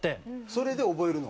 それで覚えるの？